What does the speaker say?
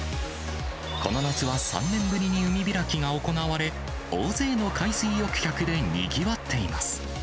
この夏は３年ぶりに海開きが行われ、大勢の海水浴客でにぎわっています。